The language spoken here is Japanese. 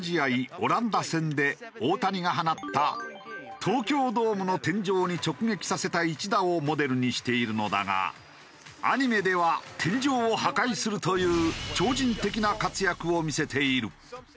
オランダ戦で大谷が放った東京ドームの天井に直撃させた一打をモデルにしているのだがアニメでは天井を破壊するという超人的な活躍を見せている。